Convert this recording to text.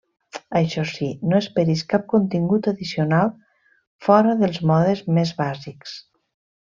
Això sí, no esperis cap contingut addicional fora dels modes més bàsics.